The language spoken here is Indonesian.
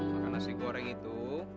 makan nasi goreng itu